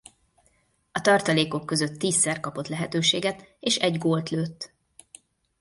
A tartalékok között tízszer kapott lehetőséget és egy gólt lőtt.